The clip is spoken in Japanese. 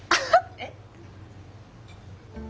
えっ？